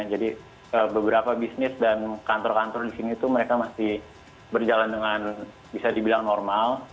jadi beberapa bisnis dan kantor kantor di sini tuh mereka masih berjalan dengan bisa dibilang normal